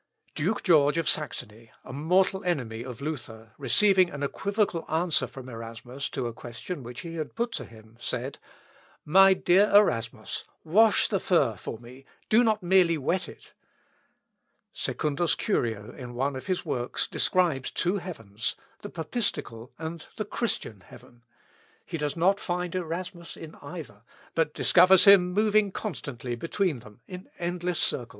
'" Duke George of Saxony, a mortal enemy of Luther, receiving an equivocal answer from Erasmus to a question which he had put to him, said, "My dear Erasmus, wash the fur for me, and do not merely wet it." Secundus Curio, in one of his works, describes two heavens the Papistical and the Christian heaven. He does not find Erasmus in either, but discovers him moving constantly between them in endless circles.